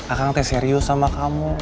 aku tak serius sama kamu